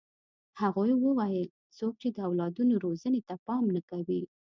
هغوی وویل څوک چې د اولادونو روزنې ته پام نه کوي.